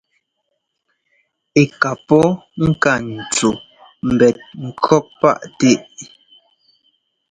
Ɛ́ ká pɔ́ ŋka ntsɔ ḿbɛt ŋkʉ̈ɔk paʼtɛ.